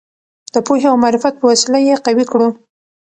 د پوهې او معرفت په وسیله یې قوي کړو.